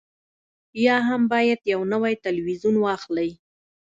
یا هم باید یو نوی تلویزیون واخلئ